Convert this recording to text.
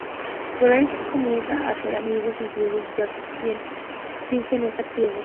Grace comienza a hacer amigos incluido Jack quien finge no estar ciego.